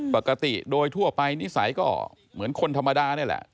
ปกติโดยทั่วไปนิสัยก็เหมือนคนธรรมดานี่แหละ